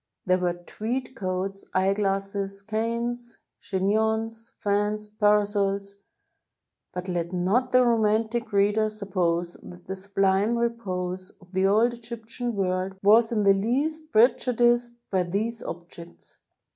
There were tweed coats, eyeglasses, canes, chignons, fans, parasols — but let not the romantic reader sup pose that the sublime repose of the old Egyptian world was in the least prejudiced by these objects.